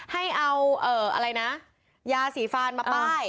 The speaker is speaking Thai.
ให้เอายาสีฟานมาป้าย